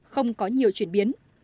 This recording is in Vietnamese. không có nhiều chuyển biến